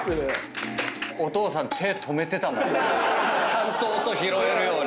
ちゃんと音拾えるように。